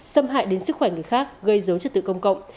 xâm hại đến sức khỏe người khác gây dấu chất tự công cộng